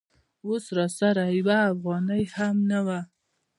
اوس راسره یوه افغانۍ هم نه وه.